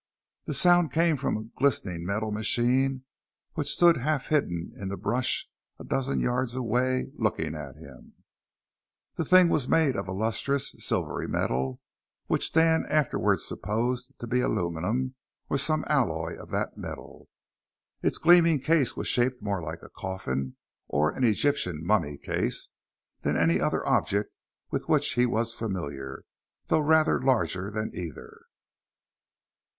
The sound came from a glistening metal machine which stood half hidden in the brush a dozen yards away looking at him! The thing was made of a lustrous, silvery metal, which Dan afterwards supposed to be aluminum, or some alloy of that metal. Its gleaming case was shaped more like a coffin, or an Egyptian mummy case, than any other object with which he was familiar, though rather larger than either.